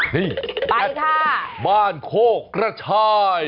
นี่มานคกรัดชาย